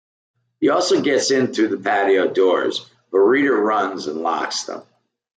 He almost gets in through the patio doors, but Rita runs and locks them.